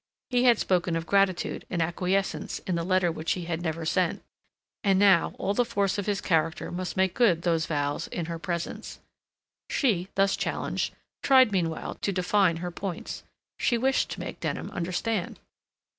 He had spoken of gratitude and acquiescence in the letter which he had never sent, and now all the force of his character must make good those vows in her presence. She, thus challenged, tried meanwhile to define her points. She wished to make Denham understand.